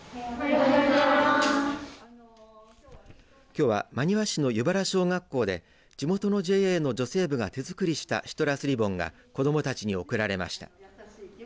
きょうは真庭市の湯原小学校で地元のＪＡの女性部が手作りしたシトラスリボンが子どもたちに贈られました。